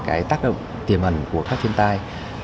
cái tác động tiềm hẳn của các thiên tai